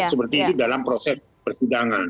seperti itu dalam proses persidangan